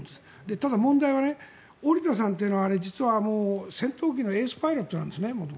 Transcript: ただ、問題は織田さんというのは実は元々、戦闘機のエースパイロットなんですね。